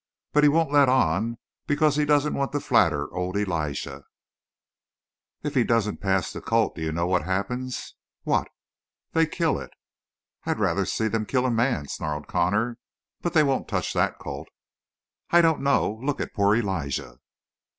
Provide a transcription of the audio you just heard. But he won't let on because he doesn't want to flatter old Elijah." "If he doesn't pass the colt do you know what happens?" "What?" "They kill it!" "I'd a lot rather see them kill a man!" snarled Connor. "But they won't touch that colt!" "I don't know. Look at poor Elijah!"